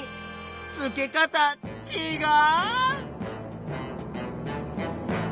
付け方ちがう！